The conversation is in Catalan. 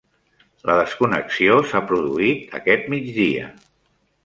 La desconnexió s'ha produït aquest migdia